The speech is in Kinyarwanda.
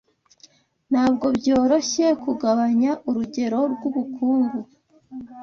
ntabwo byoroshye kugabanya urugero rwubukungu